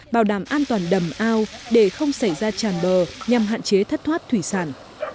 bảo đảm an toàn đầm ao để không xảy ra tràn bờ nhằm hạn chế thất thoát thủy sản